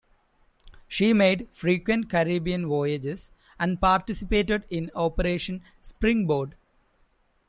She made frequent Caribbean voyages and participated in Operation Springboard.